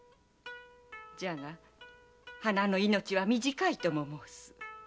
じゃが花の命は短いと申す。